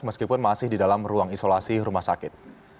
meskipun masih di dalam ruang isolasi rumah sakit